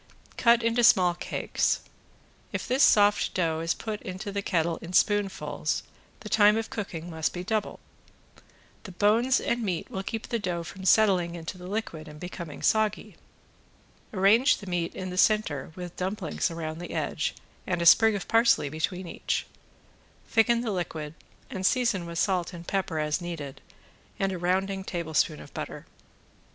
Cut into small cakes. If this soft dough is put into the kettle in spoonfuls the time of cooking must be doubled. The bones and meat will keep the dough from settling into the liquid and becoming soggy. Arrange the meat in the center with dumplings around the edge and a sprig of parsley between each. Thicken the liquid and season with salt and pepper as needed and a rounding tablespoon of butter.